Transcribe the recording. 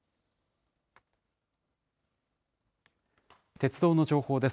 鉄道の情報です。